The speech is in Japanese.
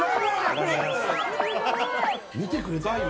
見てくれた、今？